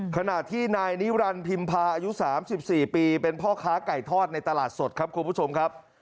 ขณะที่นายนิรันดิพิมพาอายุ๓๔ปีเป็นพ่อค้าไก่ทอดในตลาดสดครับคุณผู้ชมครับ